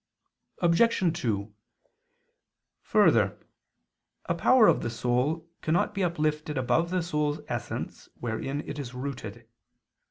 Obj. 2: Further, a power of the soul cannot be uplifted above the soul's essence wherein it is rooted.